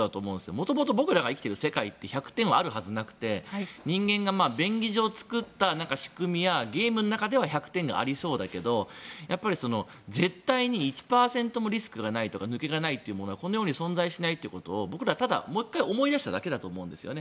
元々、僕らが生きている世界って１００点はあるはずがなくて人間が便宜上作った仕組みやゲームの中では１００点がありそうだけど絶対に１％もリスクや抜けがないのはこの世に存在しないということを僕らはもう１回思い出しただけだと思うんですね。